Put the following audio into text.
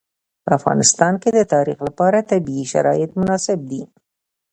په افغانستان کې د تاریخ لپاره طبیعي شرایط مناسب دي.